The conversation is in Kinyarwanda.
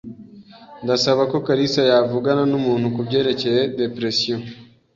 Ndasaba ko kalisa yavugana numuntu kubyerekeye depression.